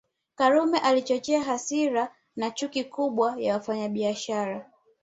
Karume alichochea hasira na chuki kubwa ya wafanyabiashara